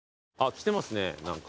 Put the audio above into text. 来てますね何か。